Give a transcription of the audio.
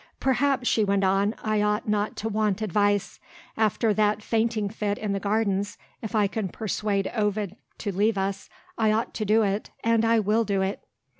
"Perhaps," she went on, "I ought not to want advice. After that fainting fit in the Gardens, if I can persuade Ovid to leave us, I ought to do it and I will do it!"